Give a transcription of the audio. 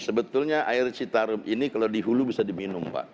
sebetulnya air citarum ini kalau di hulu bisa diminum pak